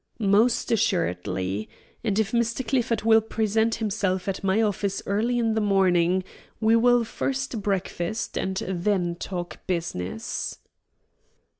"Most assuredly; and if Mr. Clifford will present himself at my office early in the morning, we will first breakfast and then talk business."